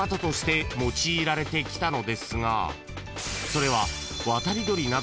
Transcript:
［それは］